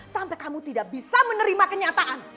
sampai kamu tidak bisa menerima kenyataan